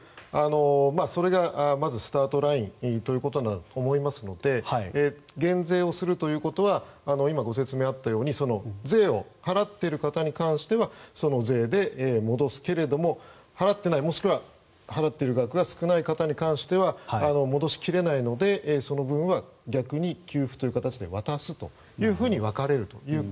それがスタートラインだと思いますので減税をするということは今、ご説明があったとおり税を払ってる方に関してはその税で戻すけれども払っていない、もしくは払っている額が少ない方に関しては戻しきれないので、その分は逆に給付という形で渡すということに分かれると。